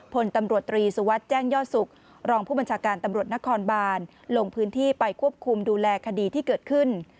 พลตำรวจตรีสุวัสดิ์แจ้งยอดสุขรองผู้บัญชาการตำรวจนครบานลงพื้นที่ไปควบคุมดูแลคดีที่เกิดขึ้น